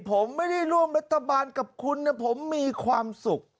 ผมไม่ได้ร่วมรัฐบาลกับคุณนะผมมีความสุข